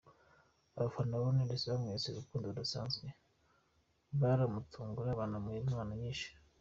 Abafana ba Knowless bamweretse urukundo rudasanzwe, baramutungura banamuha impano nyinshi.